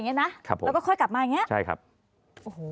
นะครับผมแล้วก็ค่อยกลับมาอย่างเงี้ใช่ครับโอ้โห